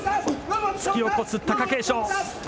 突き落とす、貴景勝。